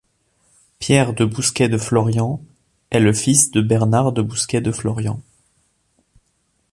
Pierre de Bousquet de Florian est le fils de Bernard de Bousquet de Florian.